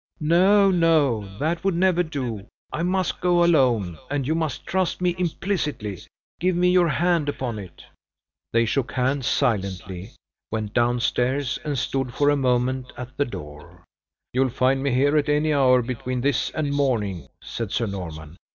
"No, no! that would never do! I must go alone, and you must trust me implicitly. Give me your hand upon it." They shook hands silently, went down stairs, and stood for a moment at the door. "You'll find me here at any hour between this and morning," said Sir Norman.